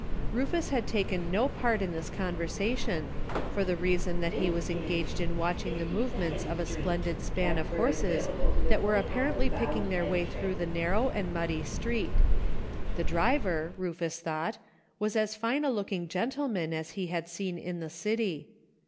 Rufus had taken no part in this conversation, for the reason that he was engaged in watching the movements of a splendid span of horses that were apparently picking their way through the narrow and muddy street ; the driver, Rufus thought, was as fine a looking gentleman as he had seen in the city.